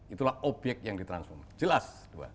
itulah obyek yang ditransform jelas